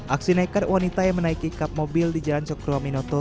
aksi naikkan wanita yang menaiki kap mobil di jalan soekroaminoto